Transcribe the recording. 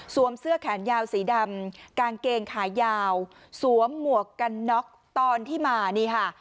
เสื้อแขนยาวสีดำกางเกงขายาวสวมหมวกกันน็อกตอนที่มานี่ค่ะ